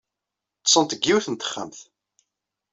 Ḍḍsent deg yiwet n texxamt.